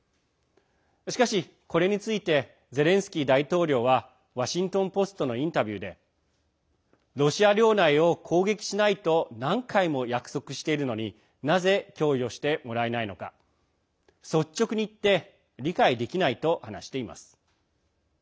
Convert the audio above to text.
しかし、これについてゼレンスキー大統領はワシントン・ポストのインタビューでロシア領内を攻撃しないと何回も約束しているのになぜ供与してもらえないのか率直に言って理解できないと話しています。